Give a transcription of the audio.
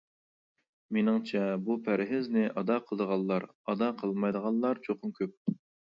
مېنىڭچە، بۇ پەرھىزنى ئادا قىلىدىغانلار ئادا قىلمايدىغانلار چوقۇم كۆپ.